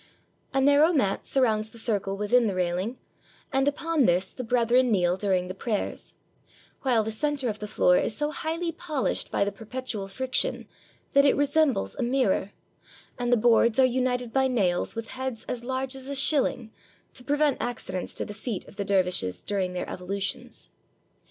A narrow mat surrounds the circle within the railing, and upon this the brethren kneel during the prayers; while the center of the floor is so highly polished by the perpetual friction that it resembles a mirror, and the boards are united by nails with heads as large as a shilling, to prevent accidents to the feet of the der vishes during their evolutions.